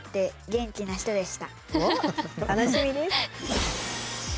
おっ楽しみです。